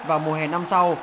vào mùa hè năm sau